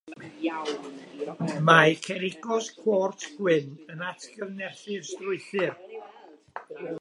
Mae cerigos cwarts gwyn yn atgyfnerthu'r strwythur.